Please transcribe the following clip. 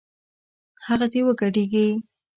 هغه دې وګډېږي